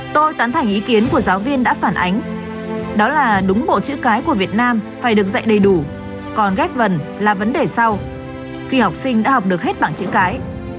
tôi tán thành ý kiến của giáo viên đã phản ánh đó là đúng bộ chữ cái của việt nam phải được dạy đầy đủ còn ghép vần là vấn đề sau khi học sinh đã học được hết bằng chữ cái